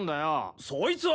そいつは。